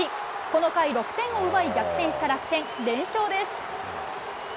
この回、６点を奪い、逆転した楽天、連勝です。